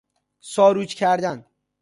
ساروج کردن